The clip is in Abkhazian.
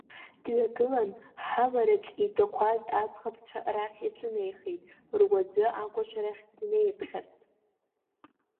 Дҩагылан, ҳавараҿы итәа-қәаз аӡӷабцәа рахь иҿынеихеит, руаӡәы акәашарахь днеиԥхьарц…